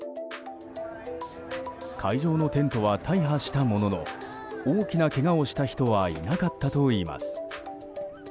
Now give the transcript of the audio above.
会場のテントは大破したものの大きなけがをした人はいなかったといいます。